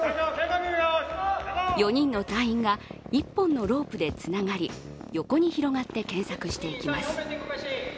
４人の隊員が１本のロープでつながり横に広がって検索していきます。